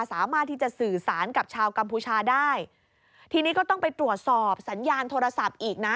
สามารถที่จะสื่อสารกับชาวกัมพูชาได้ทีนี้ก็ต้องไปตรวจสอบสัญญาณโทรศัพท์อีกนะ